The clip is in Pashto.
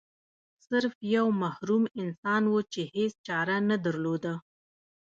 سرف یو محروم انسان و چې هیڅ چاره نه درلوده.